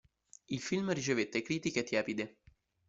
Il film ricevette critiche tiepide.